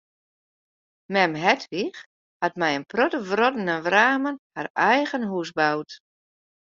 Mem Hedwig hat mei in protte wrotten en wramen har eigen hûs boud.